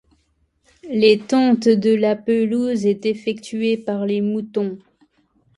Les tontes de la pelouse est effectué par les moutons